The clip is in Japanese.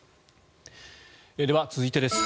では、続いてです。